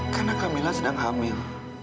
karena kamila sedang hamil